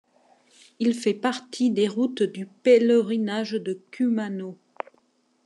Il fait partie des routes du pèlerinage de Kumano.